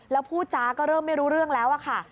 แล้วพูดจาก็เริ่มไม่รู้เรื่องแล้วค่ะ